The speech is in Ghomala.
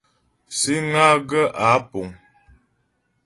Síŋ á gaə̂ ǎ pùŋ.